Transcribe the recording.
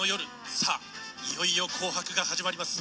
さあ、いよいよ「紅白」が始まります。